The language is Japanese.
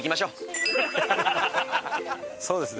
そうですね。